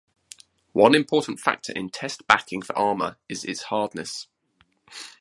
One important factor in test backing for armor is its hardness.